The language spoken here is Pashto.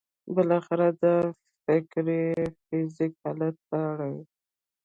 بالاخره دا فکر فزیکي حالت ته اوړي